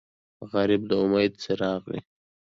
غریب د امید څراغ وي